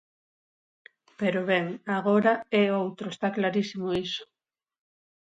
Pero ben, agora é outro está clarísimo iso.